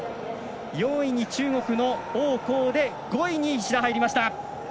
４位に中国の王浩で５位に石田、入りました。